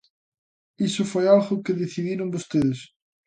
Iso foi algo que decidiron vostedes.